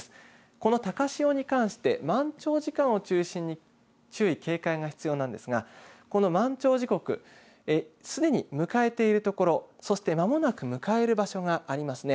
この高潮に関して満潮時間を中心に注意、警戒が必要なんですがこの満潮時刻すでに迎えているところそして間もなく迎える場所がありますね。